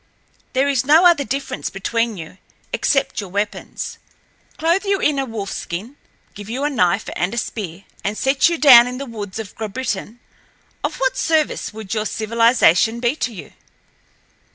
There is no other difference between you, except your weapons. Clothe you in a wolfskin, give you a knife and a spear, and set you down in the woods of Grabritin—of what service would your civilization be to you?"